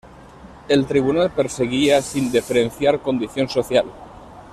El Tribunal perseguía, sin diferenciar condición social.